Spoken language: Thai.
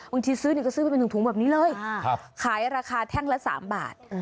บางทีซื้อเนี้ยก็ซื้อไปเป็นถุงถุงแบบนี้เลยครับขายราคาแท่งละสามบาท